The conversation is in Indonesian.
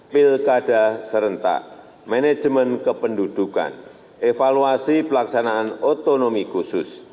pilkada serentak manajemen kependudukan evaluasi pelaksanaan otonomi khusus